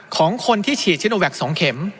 ของคนที่ฉีดชิ้นโอแว็ก๒เข็ม